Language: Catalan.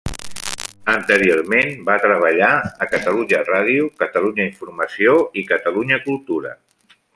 Anteriorment va treballar a Catalunya Ràdio, Catalunya Informació i Catalunya Cultura.